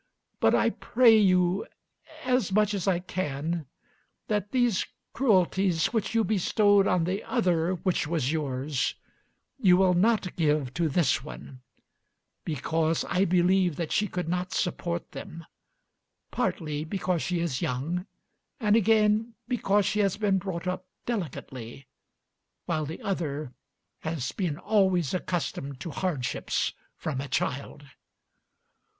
But I pray you as much as I can that these cruelties which you bestowed on the other which was yours you will not give to this one, because I believe that she could not support them; partly because she is young, and again because she has been brought up delicately, while the other has been always accustomed to hardships from a child."